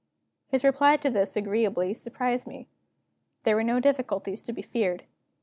His reply to this agreeably surprised me. There were no difficulties to be feared.